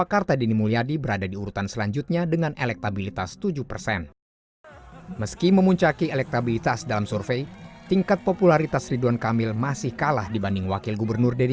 cerdas dan muda itu